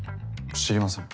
知りません。